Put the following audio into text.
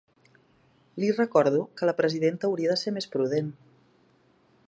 Li recordo que la presidenta hauria de ser més prudent.